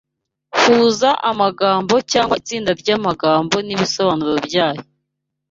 Huza amagambo cyangwa itsinda ry’amagambo n’ibisobanuro byayo